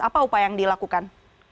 apa upaya yang dilakukan